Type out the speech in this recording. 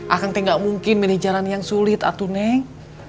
akan teh ngga mungkin milih jalan yang sulit atuh neng